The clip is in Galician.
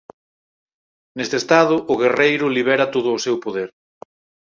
Neste estado o guerreiro libera todo o seu poder.